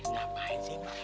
ngapain sih mas